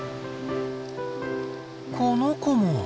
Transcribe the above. この子も！